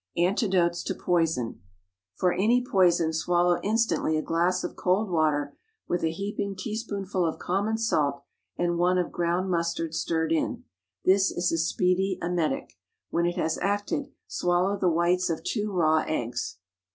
ANTIDOTES TO POISON. For any poison swallow instantly a glass of cold water with a heaping teaspoonful of common salt and one of ground mustard stirred in. This is a speedy emetic. When it has acted, swallow the whites of two raw eggs.